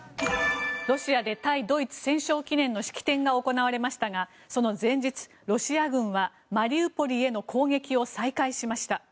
ロシアで対ドイツ戦勝記念の式典が行われましたがその前日、ロシア軍はマリウポリへの攻撃を再開しました。